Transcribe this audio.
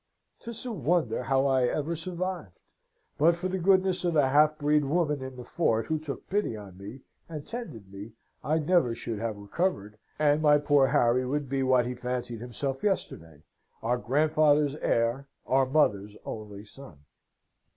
'Tis a wonder how I ever survived. But for the goodness of a half breed woman in the fort, who took pity on me, and tended me, I never should have recovered, and my poor Harry would be what he fancied himself yesterday, our grandfather's heir, our mother's only son.